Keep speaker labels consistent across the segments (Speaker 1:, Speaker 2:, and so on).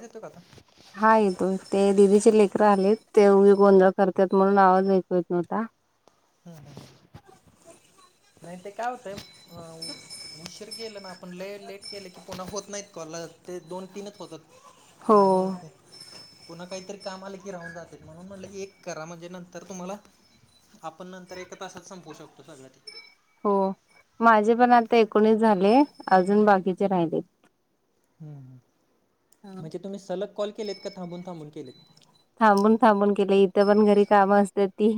Speaker 1: येतो काका.
Speaker 2: हा येतो ते दीदीचे लेकर आलेत ते उगी गोंधळ करतात म्हणून आवाज ऐकू येत नव्हता.
Speaker 1: हम् ह, नाही ते काय होतंय अ उशीर केलं ना आपण लय लेट केलं की पुन्हा होत नाहीत कॉल ते दोन-तीनच होतात आणि
Speaker 2: हो.
Speaker 1: पुन्हा काहीतरी काम आल की राहून जाते म्हणून म्हटलं एक करा म्हणजे नंतर तुम्हाला आपण नंतर एका तासात संपू शकतो सगळं ते.
Speaker 2: हो माझे पण आता एकोणीस झाले अजून बाकीचे राहिले.
Speaker 1: हम्म ह, म्हणजे तुम्ही सलग कॉल केलेत का थांबून-थांबून केलेत?
Speaker 2: थांबून-थांबून केले इथं पण घरी कामं असते ती.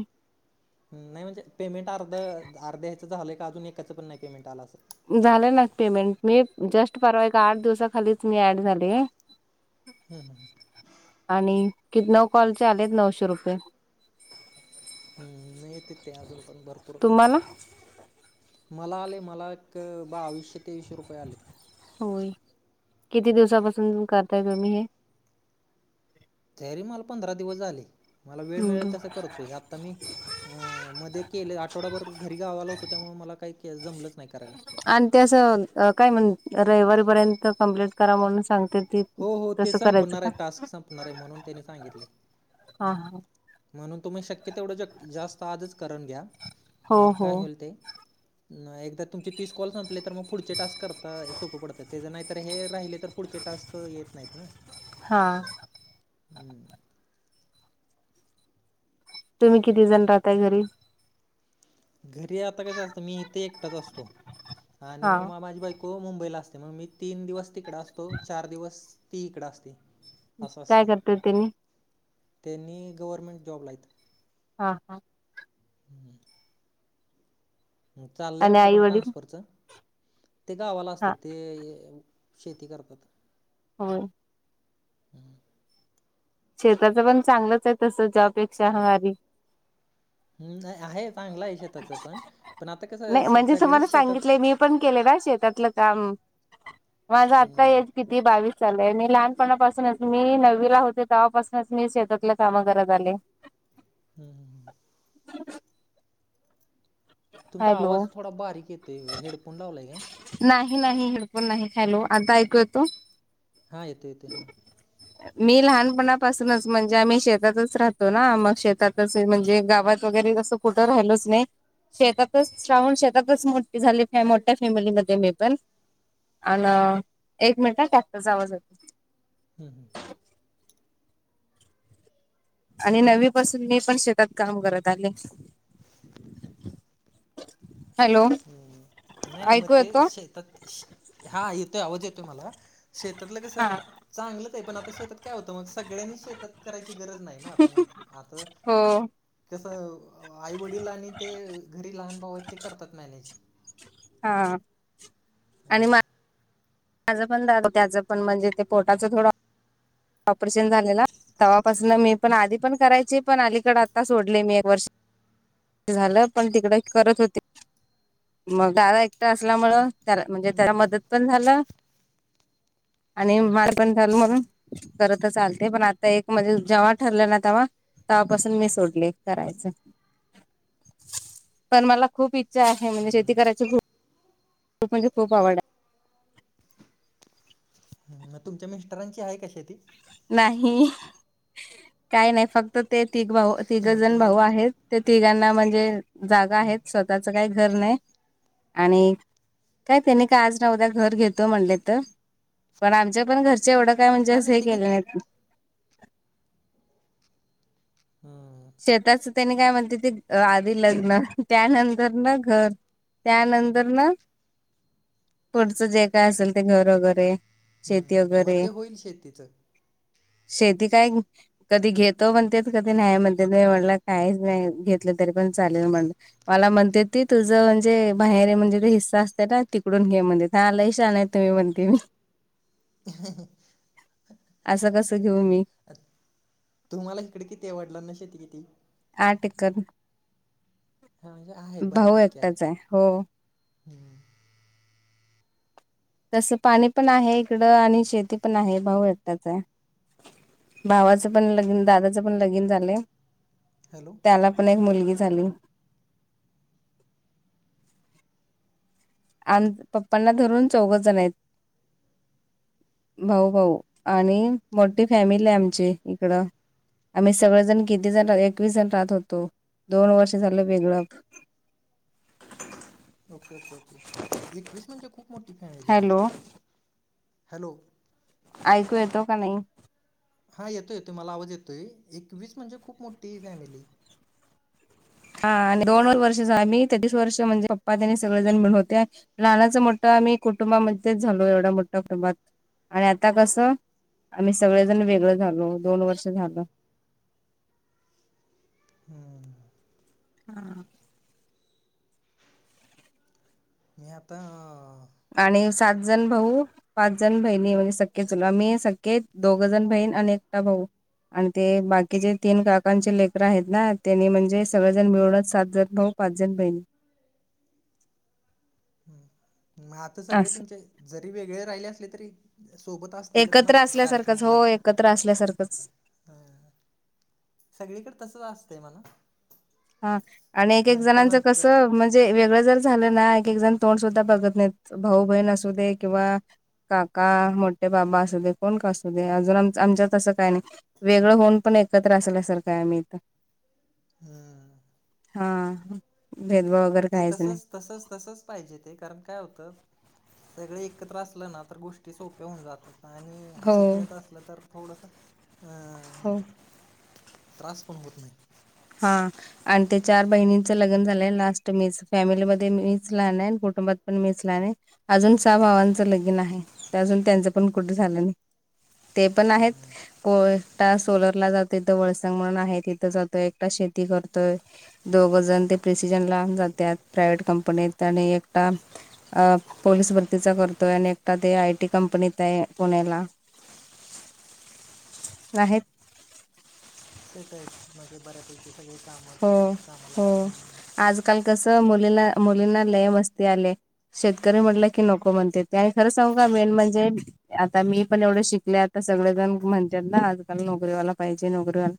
Speaker 1: हम् नाही म्हणजे पेमेंट अर्ध अर्ध्यायचं झालं का अजून एकाचं पण नाही पेमेंट आलं असं.
Speaker 2: झालं ना पेमेंट मी जस्ट परवा का आठ दिवसाखालीच मी ॲड झाले. [inaudible]
Speaker 1: हम् हम्.
Speaker 2: आणि कि नऊ कॉलचे आलेत नऊशे रुपये.
Speaker 1: हम् नाहीेत ते अजून पण भरपूर.
Speaker 2: तुम्हाला
Speaker 1: मला आले मला एक बावीसशे-तेवीसशे रुपये आलेत.
Speaker 2: होय, किती दिवसापासून करताय तुम्ही हे?
Speaker 1: तरी मला पंधरा दिवस झाले मला वेळ
Speaker 2: हम्म.
Speaker 1: मिळेल तसं करतो आता मी अ मध्ये केले आठवडाभर घरी गावाला होतो त्यामुळे मला काही के जमलंच नाही करायला.
Speaker 2: आणि ते असं काय म्हण रविवारीपर्यंत कम्प्लीट करा म्हणून सांग तर ती
Speaker 1: हो हो ते
Speaker 2: तसं करायचं
Speaker 1: संपणार आहे
Speaker 2: का?
Speaker 1: टास्क संपणार आहे म्हणून त्यांनी सांगितले
Speaker 2: हा ह.
Speaker 1: म्हणून तुम्ही शक्य तेवढं जास्त आजच करून घ्या
Speaker 2: हो
Speaker 1: मग
Speaker 2: हो
Speaker 1: काय होईल ते नाही एकदा तुमचे तीस कॉल संपले तर मग पुढचे टास्क करता सोपं पडतात ते ज तर हे राहिले तर पुढचे टास्क येत नाहीत ना.
Speaker 2: हा.
Speaker 1: हम्.
Speaker 2: तुम्ही किती जण राहताय घरी?
Speaker 1: घरी आता कस असतं मी इथे एकटाच असतो आणि
Speaker 2: हा
Speaker 1: मग म माझी बाई को मुंबईला असते मग मी तीन दिवस तिकड असतो चार दिवस ती इकड असते. असं
Speaker 2: काय
Speaker 1: असते,
Speaker 2: करतात त्यांनी
Speaker 1: त्यांनी गव्हर्मेंट जॉब ला हाईत.
Speaker 2: हा हा.
Speaker 1: म‌ चालय
Speaker 2: आणि
Speaker 1: आमचं
Speaker 2: आई
Speaker 1: पण
Speaker 2: वडील
Speaker 1: ट्रान्सफरचं. ते गावाला
Speaker 2: हा
Speaker 1: असतं ते शेती करतात.
Speaker 2: होय. शेताच पण चांगलंच आहे तसं जॉबपेक्षा भारी.
Speaker 1: हम् आहे चांगलं आहे शेताचं पण, पण आता कसं
Speaker 2: नाही म्हणजे तुम्हाला
Speaker 1: सगळेच शेतात
Speaker 2: सांगितलंय मी पण केले शेतातलं काम, माझ आता
Speaker 1: हम्म
Speaker 2: एज कि ती बावीस सालय मी लहानपणापासूनच मी नववीला होते तवापासूनच मी शेतातल काम करत आले.
Speaker 1: हम् हम् हम्.
Speaker 2: [inaudible]
Speaker 1: तुमचा
Speaker 2: हॅलो
Speaker 1: आवाज थोडा बारीक येतोय, हेडफोन लावलाय काय?
Speaker 2: नाही नाही हेडफोन नाही चालू, आता ऐकू येतो?
Speaker 1: हा येतो येते हा.
Speaker 2: मी लहानपणापासूनच म्हणजे आम्ही शेतातच राहतो ना मग शेतात. तसं म्हणजे गावात वगैरे तसं कुठं राहिलोचं नाही. शेतातच श्रावण शेतातचं मोठ झाली मोठ्या फॅमिलीमध्ये मी पण. अनं एक मिनिटं टॅक्टर आवाज येतोय.
Speaker 1: हम् हम.
Speaker 2: आणि नववीपसून मी पण शेतात काम करत आले. हॅलो
Speaker 1: हम् नाही नाही
Speaker 2: ऐकू
Speaker 1: मग ते
Speaker 2: येतो
Speaker 1: हा येतोय आवाज येतोय मला. शेतातलं
Speaker 2: हा
Speaker 1: कसं. चांगलंच आहे पण आता शेतात काय होतं मग सगळ्यांनी शेतात करायची गरज नाही ना आता मग आता.
Speaker 2: हो.
Speaker 1: तसं आईवडील आणि ते घरी लहान भाऊ आहेत ते करतात मॅनेज.
Speaker 2: हा आणि. माझं पण दादा त्याचं पण म्हणजे ते पोटाचं थोडं ऑपरेशन झालेला. तेव्हापासून मी पण आधी पण करायचे पण अलीकडे आता सोडले मी एक वर्ष. झालं पण तिकड करत होते मग दादा एकटा असल्यामुळं. त्याला म्हणजे त्याला मदत पण झालं. आणि माार पण झाल म्हणून करत आलते पण आता एक म्हणजे जेव्हा ठरलं ना तेव्हा. तेवहापासून मी सोडले करायचं पण मला खूप इच्छा. आहे म्हणजे शेती करायची खूप खूप म्हणजे खूप आवड आहे.
Speaker 1: ह तुमच्या मिस्टरांची आहे का शेती?
Speaker 2: नाही काय नाही फक्त ते तिघं भाऊ
Speaker 1: मग
Speaker 2: तिघजण
Speaker 1: तुम्ही
Speaker 2: भाऊ आहेत. ते तिघांना म्हणजे जागा आहेत स्वतःच काही घर नाही. आणि काय त्यांनी का आज न उद्या घर घेतो म्हणले तं. पण आमच्या पण घरचे एवढं काय म्हणजे
Speaker 1: हा
Speaker 2: असं
Speaker 1: नाही
Speaker 2: हे
Speaker 1: ते की
Speaker 2: केले नाहीत.
Speaker 1: हा.
Speaker 2: शेताचं त्यानी काय म्हणते ते आधी लग्न त्यानंतर ना घर. त्यानंतर ना पुढचं जे काय असेल घर वगैरे. शेती
Speaker 1: मग
Speaker 2: वगैरे.
Speaker 1: ते होईल शेतीचं
Speaker 2: शेती काय कधी घेतो म्हणते कधी नाही म्हणते. म्हण काहीच नाही घेतलं तरी पण चालेल म्हणलं. मला म्हणते ती तुझं म्हणजे बाहेर म्हणजे तो हिस्सा असतं ना तिकडून घे म्हणे. ह लई शहाणं आहे तुम्ही म्हणते मी. असं कसं घेऊ मी.
Speaker 1: तुम्हाला इकडे किती वडीलांना शेती किती?
Speaker 2: आठ एकर
Speaker 1: हां म्हणजे आहे
Speaker 2: भाऊ एकटाच आहे हो.
Speaker 1: हम्म.
Speaker 2: तसं पाणी पण आहे इकडं आणि शेती पण आहे भाऊ एकटाच आहे. भावाचं पण लग्न दादाचं पण लगीन झालंय.
Speaker 1: हॅलो.
Speaker 2: त्याला पण एक मुलगी झाली. आणि पप्पांना धरून चौघेजण आहे त. भाऊ भाऊ आणि मोठी फॅमिली आहे आमची इकडं. आम्ही सगळे जण किती जण एकवीस जण राहत होतो दोन वर्ष झालं वेगळं.
Speaker 1: ओके ओके ओके एकवीस म्हणजे खूप मोठी फॅमिली आहे तुमची
Speaker 2: हॅलो
Speaker 1: हॅलो.
Speaker 2: ऐकू येतो का नाही?
Speaker 1: हा येतोय येतोय मला आवाज येतोय. एकवीस म्हणजे खूप मोठी फॅमिली
Speaker 2: हा आणि दोन वर्षच झाली मी तेहतीस वर्ष म्हणजे पप्पा त्यांनी सगळेजण मिळून होते. लहानाचं मोठं आम्ही कुटुंबामध्येच झालो. एवढ्या मोठ्या कुंटुबात आणि आता कसं? आम्ही सगळेजण वेगळं झालो. दोन वर्ष झालं.
Speaker 1: हम्,
Speaker 2: हम,
Speaker 1: मी आता
Speaker 2: आणि सात जण भाऊ पाच जण बहिणी म्हणजे सख्खे चुल आम्ही सख्खे दोघजण बहीण आणि एकटा भाऊ. आण ते बाकीचे तीन काकांचे लेकर आहेत ना, त्यानी म्हणजे सगळेजण मिळूनच सात जण भाऊ. पाच जण बहिणी.
Speaker 1: म आता सगळे
Speaker 2: असं
Speaker 1: तुमचे जरी वेगळे राहिले असले तरी सोबत असतीलच ना,
Speaker 2: एकत्र असल्यासारखंच हो
Speaker 1: कार्यक्रमाला
Speaker 2: एकत्र असल्यासारखंच
Speaker 1: हा, सगळीकड तसस असतंय म्हणा.
Speaker 2: हा, आणि एक एक
Speaker 1: नंतर
Speaker 2: जणांचं
Speaker 1: नंतर
Speaker 2: कसं म्हण जे वेगळं जर झालं ना, एक एक जण तोंड सुद्धा बघत नाहीत भाऊ बहीण असू दे किंवा काका, मोठे बाबा असू दे, कोण का असू दे. अजून आम आमच्यात तसं काय नाही. वेगळं होऊन पण एकत्र असल्यासारखं आहे आम्ही इथ.
Speaker 1: हम्म,
Speaker 2: हा भेदभाव वगैरे काहीच नाही.
Speaker 1: तसच तसच पाहिजे ते. कारण काय होतं? सगळे एकत्र असलं ना, तर गोष्टी सोप्या होऊन जातात. आणि
Speaker 2: हो
Speaker 1: हसत खेळत असलं तर थोडस अ
Speaker 2: हो.
Speaker 1: त्रास पण होत नाही.
Speaker 2: हा, आणि ते चार बहिणींचं लगन झालंय लास्ट मीच फॅमिलीमध्ये मीच लहान आहे. कुटुंबात पण मीच लहान आहे. अजून सहा भावांचं लगीन आहे. ते अजून त्यांचं पण कुठे झालं नाही. ते पण आहेत,
Speaker 1: हम्म
Speaker 2: होय. एकटा सोलर ला जाते. तिथं वळसा मन आहे तिथं जातोय, एकटा शेती करतो. दोघजन ते प्रिसीजन लांब जात्यात प्रायव्हेट कंपनीत. आणि एकटा अ पोलीस भरतीचा करतोय आणि एकटा ते आय टी कंपनीत आहे पुण्याला. नाहीत.
Speaker 1: सेट आहेत. म्हणजे बऱ्यापैकी सगळे कामात कामाला आहेत. हम्,
Speaker 2: काल कसं मुलीला मुलींना लय मस्ती आली आहे. शेतकरी म्हटलं की नको म्हणते. ते आणि खरं सांगू का मेन म्हणजे आता मी पण एवढे शिकले. आता सगळेजण म्हणतात ना आजकाल नोकरीवाला पाहिजे नोकरीवाला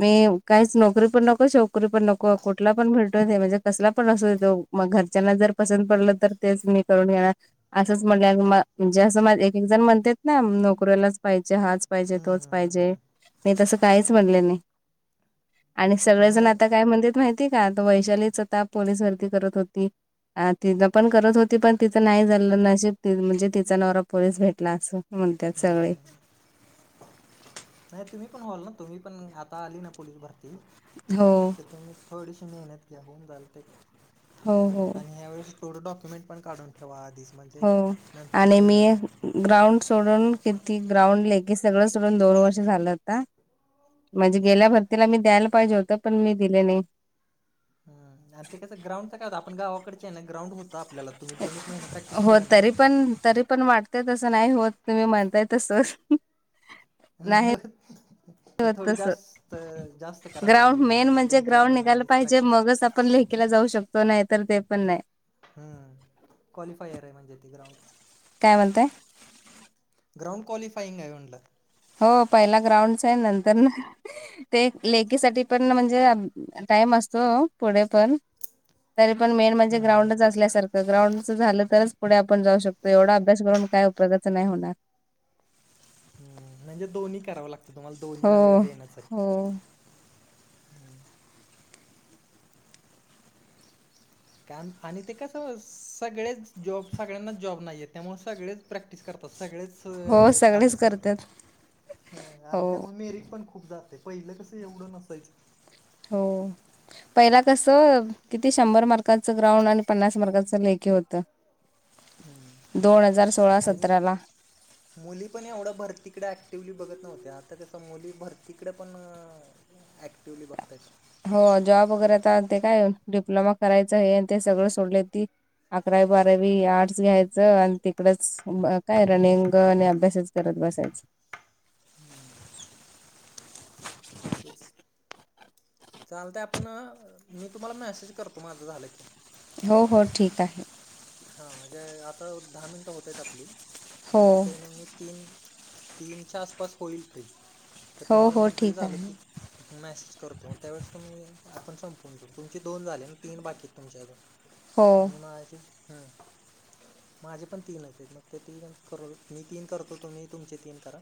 Speaker 2: मी कायच नोकरी पण नव्ह छोकरी पण नको. कुठला पण भेटू दे म्हणजे कसला पण असु दे तो मग घरच्यांना जर पसंत पडलं तर तेच मी करून घेणार. असंच मघ्याग म म्हणजे असं माझे एक एक जण म्हणत्यात ना, नोकरीवालाच पाहिजे हाच पाहिजे
Speaker 1: हम्म
Speaker 2: तोच
Speaker 1: हम्म हम्म
Speaker 2: पाहिजे मी तसं काहीच म्हणले नाही. आणि
Speaker 1: हम्म
Speaker 2: सगळेजण
Speaker 1: नाही
Speaker 2: आता काय म्हणतेत माहिती का? त वैशालीच आता पोलीस भरती करत होती. आ तिथ पण करत होती. पण तिचं नाही झालं नशीब ति म्हणजे तिचा नवरा पोलीस भेटला अस. म्हणत्यात सगळे.
Speaker 1: हम्म नाही तुम्ही पण व्हाल ना, तुम्ही पण आता आली ना पोलीस भरती
Speaker 2: हो,
Speaker 1: तर तुम्ही थोडीशी मेहनत घ्या होऊन जाल ते
Speaker 2: हो, हो,
Speaker 1: आणि ह्यावेेळेस थोड डॉक्युमेंट पण काढून ठेवा आधीच म्हणजे
Speaker 2: हो. आणि
Speaker 1: नंतर
Speaker 2: मी
Speaker 1: अं
Speaker 2: ग्राउंड सोडून किती ग्राउंड लेखी सगळं सोडून दोन वर्ष झालं आता म्हणजे गेल्या भरतीला मी द्यायला पाहिजे होतं पण मी दिले नायी.
Speaker 1: हं आणि ते कसं ग्राउंडच काय होता आपण गावाकडचयें ना ग्रउंड हो
Speaker 2: हों तरी पण तरी पण वाट ते तसं नाय होत तुम्ही म्हणताय तसं.
Speaker 1: नाही होतं.
Speaker 2: तस,
Speaker 1: जास्त करावं लागेल
Speaker 2: ग्राउंड
Speaker 1: मग
Speaker 2: मेन म्हणजे
Speaker 1: दोन चार
Speaker 2: ग्राउंड
Speaker 1: महिना
Speaker 2: निघायला
Speaker 1: आधीच
Speaker 2: पाहिजे,
Speaker 1: प्रॅक्टिस
Speaker 2: मगच आपण ले खीला जाऊ शकतो, नाही तर ते पण नाय.
Speaker 1: हुं क्वालिफायरयं म्हणजे ते ग्राउंड.
Speaker 2: काय म्हणतायं?
Speaker 1: ग्राउंड काॅलिफाइगंयं म्हणलं.
Speaker 2: हो, पहिला ग्राउंडच आहे, नंतरन ते लेकीसाठी पण म्हणजे, आ टाईम असतो पुढे पण तरी पण मेन म्हणजे, ग्राउंडच असल्यासारखं, ग्राउंडच झालं तरच पुढे आपण जाऊ शकतोय, एवढा अभ्यास करून काय उपयोगचं नाही होणार.
Speaker 1: हुं म्हणजे दोन्ही करावं लागतं तुम्हाला, दोन्ही
Speaker 2: हो
Speaker 1: वेळ देण्याचंयं.
Speaker 2: हो
Speaker 1: हुं. काम, आणि ते कसं सगळेच जॉब, सगळ्यांनाच जाॅब नाहीयेत त्यामुळे सगळेच प्रॅक्टिस करतात सगळेच
Speaker 2: हो
Speaker 1: अं
Speaker 2: सगळेच
Speaker 1: अभ्यास
Speaker 2: करतात
Speaker 1: करतायत
Speaker 2: हो
Speaker 1: आणि त्यामुळे मेरिट पण खु खूप जातय पहिलं कसं एवढं नसायचं.
Speaker 2: हों. पहिला कसं, किती शंभर मार्काचं ग्राउंड, आणि पन्नास मार्काचं लेखी होतं दोन हजार सोळा
Speaker 1: हां आणि?
Speaker 2: सतराला
Speaker 1: मुली पण एवढं भरतीकडं ऍक्टिव्हली बघत नव्हत्या, आता कस मुली भरतीकडं पण ऍक्टिवली बघतायेंत.
Speaker 2: हों जॉब वगैरे आता, ते काय डिप्लोमा करायचं हे ते सगळं सोडलयं ती अकरावी बारावी आर्ट्स घ्यायचं, आण तिकडच बं काय रनिंग आणि अभ्यासच करत बसायच.
Speaker 1: [inaudible] तेच चालतयं आपण मी तुम्हाला मॅसेज करतो माझं झालं की.
Speaker 2: हों हों, ठीक आहे.
Speaker 1: हां म्हणजे आता दहा मिनटं होतयंत आपली,
Speaker 2: हो
Speaker 1: तर ते मी तीन तीनच्या आसपास होईल फ्री, तर
Speaker 2: हो
Speaker 1: तुम्हाला
Speaker 2: हो
Speaker 1: मी फ्री
Speaker 2: ठीक
Speaker 1: झालं
Speaker 2: आहे
Speaker 1: की मेसेज करतो त्यावेळेस तुम्ही आपण संपवून घेऊ तुमचे दोन झाले नां तीन बाकीयेंत तुमचे अजून.
Speaker 2: ह.
Speaker 1: आणि माझे हुं माझे पण तीनचयेंत, मग ते तीन करु मी तीन करतो, तुम्ही तुमचे तीन करा.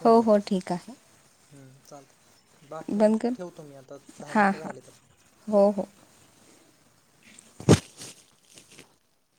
Speaker 1: हुनं
Speaker 2: हो
Speaker 1: जाईल,
Speaker 2: हो ठीक आहे
Speaker 1: हं. चालतय. बाकी मग
Speaker 2: बंद कर
Speaker 1: ठेवतो मी आता दहा मिनटं झालेत आप.
Speaker 2: हों हों.